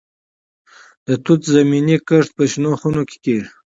د توت زمینی کښت په شنو خونو کې کیږي.